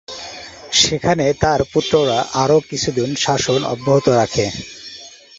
সেখানে তার পুত্ররা আরও কিছুদিন শাসন অব্যাহত রাখে।